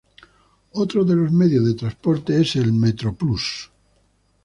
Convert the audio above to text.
Otro de los medios de transporte es el Metroplús.